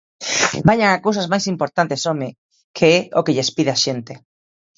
¡Vaian a cousas máis importantes, home!, que é o que lles pide a xente.